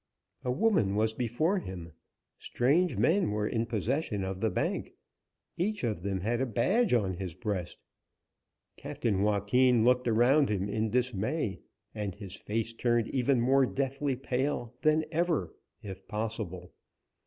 A woman was before him. Strange men were in possession of the bank. Each of them had a badge on his breast. Captain Joaquin looked around him in dismay, and his face turned even more deathly pale than ever, if possible.